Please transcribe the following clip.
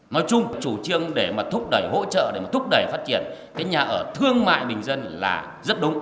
nói chung chủ trương để mà thúc đẩy hỗ trợ để mà thúc đẩy phát triển cái nhà ở thương mại bình dân là rất đúng